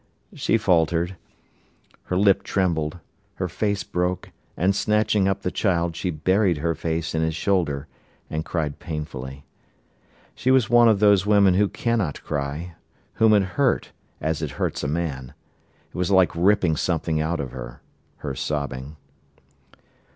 she faltered. Her lip trembled, her face broke, and, snatching up the child, she buried her face in his shoulder and cried painfully. She was one of those women who cannot cry; whom it hurts as it hurts a man. It was like ripping something out of her, her sobbing.